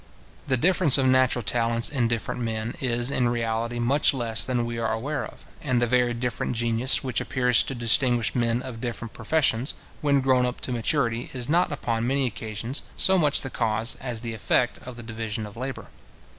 The difference of natural talents in different men, is, in reality, much less than we are aware of; and the very different genius which appears to distinguish men of different professions, when grown up to maturity, is not upon many occasions so much the cause, as the effect of the division of labour.